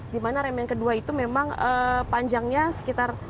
di mana rem yang kedua itu memang panjangnya sekitar